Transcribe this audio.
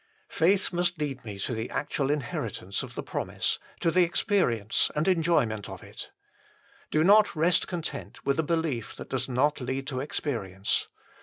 Faith must lead me to the actual inheritance of the promise, to the experience and enjoyment of it. Do not rest content with a belief that does not lead to experience.